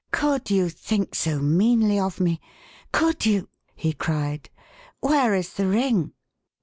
"Could you think so meanly of me? Could you?" he cried. "Where is the ring?"